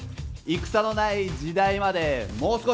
戦のない時代までもう少し！